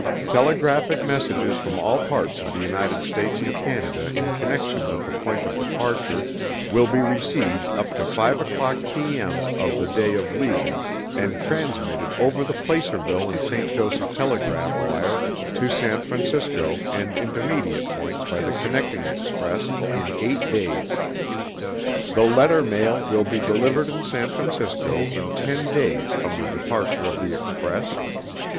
Telegraphic messages from all parts of the United States and Canada in connection with the point of departure will be received up to 5 o'clock P. M. of the day of leaving and transmitted over the Placerville and St. Joseph telegraph wire to San Francisco and intermediate points by the connecting express, in 8 days. The letter mail will be delivered in San Francisco in ten days from the departure of the Express.